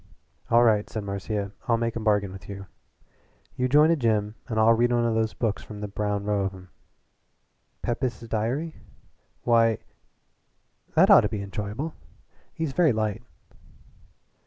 "All right," said Marcia. "I'll make a bargain with you. You join a gym and I'll read one of those books from the brown row of 'em." "'Pepys' Diary'? Why, that ought to be enjoyable. He's very light."